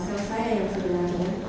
saya yang sebenarnya